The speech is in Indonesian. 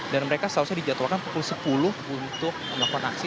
dan mereka selalu saja dijadwalkan pukul sepuluh untuk melakukan aksi